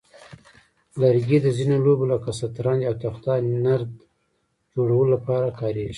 لرګي د ځینو لوبو لکه شطرنج او تخته نرد جوړولو لپاره کارېږي.